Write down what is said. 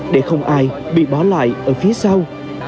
để không ai bị bỏ lại ở phía sau